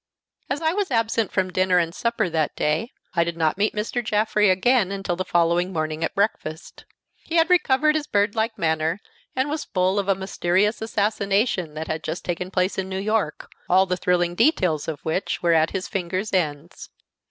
As I was absent from dinner and supper that day, I did not meet Mr. Jaffrey again until the following morning at breakfast. He had recovered his bird like manner, and was full of a mysterious assassination that had just taken place in New York, all the thrilling details of which were at his fingers' ends.